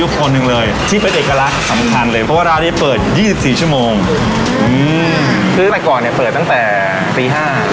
เพราะว่าด้านนี้เปิดยี่สิบสี่ชั่วโมงอืมคือแต่ก่อนเนี่ยเปิดตั้งแต่ปีห้า